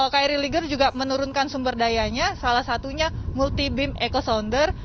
kri liger juga menurunkan sumber dayanya salah satunya multi beam echo sounder